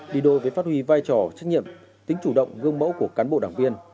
đi đôi với phát huy vai trò trách nhiệm tính chủ động gương mẫu của cán bộ đảng viên